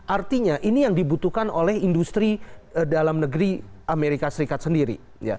artinya ini yang dibutuhkan oleh industri dalam negeri amerika serikat sendiri